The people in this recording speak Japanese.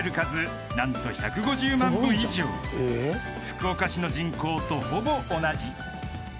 ［福岡市の人口とほぼ同じ］